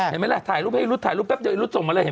เห็นไหมล่ะถ่ายรูปให้รุดถ่ายรูปแป๊บเดียวรุดส่งมาเลยเห็น